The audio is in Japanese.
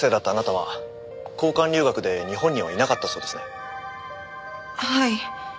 はい。